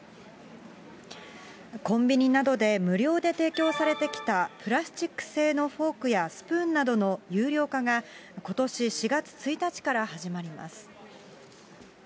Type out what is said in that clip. コンビニなどで無料で提供されてきた、プラスチック製のフォークやスプーンなどの有料化が、ことし４月１日から始まります。